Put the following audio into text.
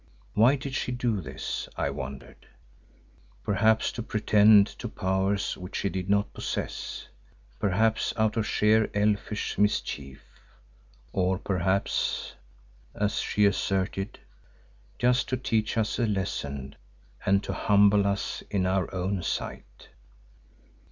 Why did she do this, I wondered. Perhaps to pretend to powers which she did not possess, perhaps out of sheer elfish mischief, or perhaps, as she asserted, just to teach us a lesson and to humble us in our own sight.